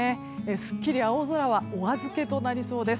すっきり青空はお預けとなりそうです。